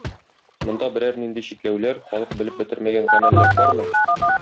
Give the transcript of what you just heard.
Монда берәр нинди чикләүләр, халык белеп бетермәгән гамәлләр бармы?